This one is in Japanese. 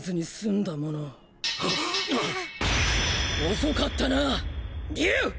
遅かったな竜！！